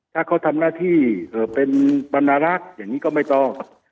ถ้าเขาทำหน้าที่เป็นบรรณรักษ์อย่างนี้ก็ไม่ต้อง